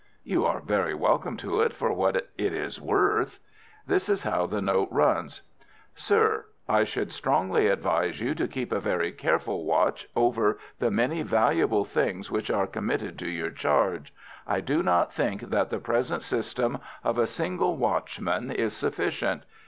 "You are very welcome to it for what it is worth." "This is how the note runs: 'Sir,—I should strongly advise you to keep a very careful watch over the many valuable things which are committed to your charge. I do not think that the present system of a single watchman is sufficient.